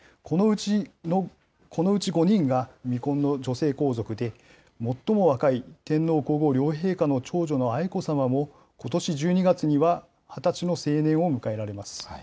このうち５人が未婚の女性皇族で、最も若い天皇皇后両陛下の長女の愛子さまも、ことし１２月には、２０歳の成年を迎えられます。